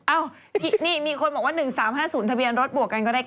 นี่มีคนบอกว่า๑๓๕๐ทะเบียนรถบวกกันก็ได้